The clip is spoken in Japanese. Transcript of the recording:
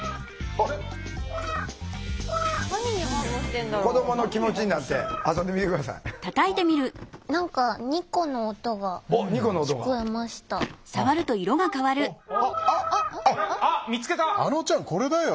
あのちゃんこれだよ。